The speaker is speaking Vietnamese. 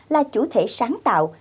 là chủ thể sáng tạo